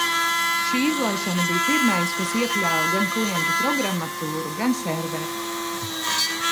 Ši izlaišana bija pirmais, kas iekļāva gan klientu programmatūru, gan serveri.